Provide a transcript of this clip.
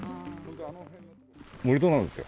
盛り土なんですよ。